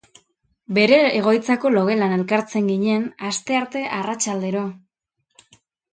Bere egoitzako logelan elkartzen ginen, astearte arratsaldero.